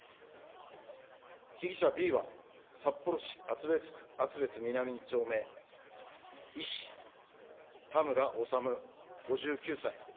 被疑者Ｂは札幌市厚別区厚別南２丁目、医師、田村修５９歳。